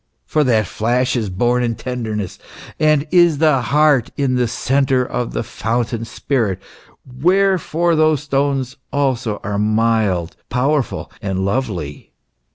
For that flash is born in tenderness, and is the heart in the centre of the Fountain spirit, wherefore those stones also are mild, powerful, and lovely."